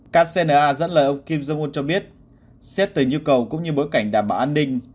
kcna dẫn lời ông kim jong un cho biết xét tới nhu cầu cũng như bối cảnh đảm bảo an ninh